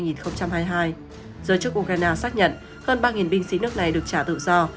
giới chức ukraine xác nhận hơn ba binh sĩ nước này được trả tự do